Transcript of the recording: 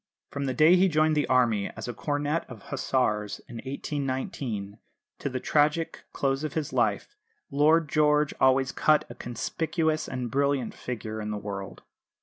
From the day he joined the Army as a cornet of Hussars in 1819, to the tragic close of his life, Lord George always cut a conspicuous and brilliant figure in the world.